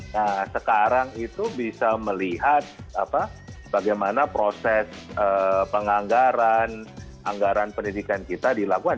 nah sekarang itu bisa melihat bagaimana proses penganggaran anggaran pendidikan kita dilakukan